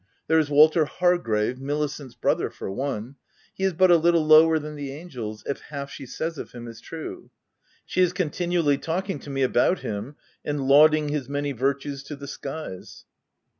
There is Walter Hargrave, Milicent's brother, for one : he is but a little lower than the angels, if half she says of him is true. She is continually talking to me about him, and lauding his many virtues to the skies.